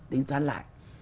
tính toán lại